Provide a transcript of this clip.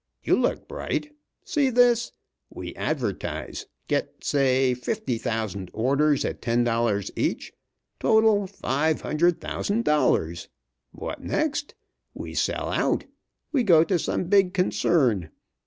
You look bright. See this. We advertise. Get, say, fifty thousand orders at ten dollars each; total, five hundred thousand dollars. What next? We sell out. We go to some big concern.